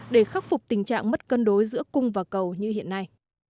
để khắc phục tình trạng mất cân đối giữa cung và cầu như hiện nay